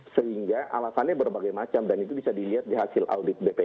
sehingga alasannya berbagai macam dan itu bisa dilihat di hasil audit bpn